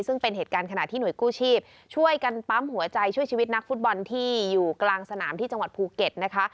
ซึ่งเป็นเหตุการณ์ขณะที่หน่วยกู้ชีพช่วยกันปั๊มหัวใจช่วยชีวิตนักฟุตบอลที่อยู่กลางสนามที่จังหวัดภูเก็ตนะคะ